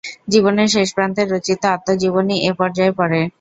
জীবনের শেষ প্রান্তে রচিত আত্মজীবনী এ পর্যায়ে পড়ে।